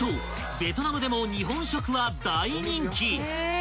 ベトナムでも日本食は大人気］